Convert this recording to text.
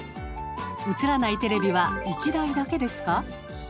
映らないテレビは１台だけですか？